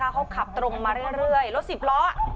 เขาขับตรงมาเรื่อยรถสิบล้อ